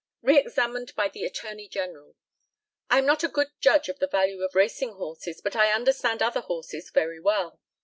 Re examined by the ATTORNEY GENERAL: I am not a good judge of the value of racing horses, but I understand other horses very well.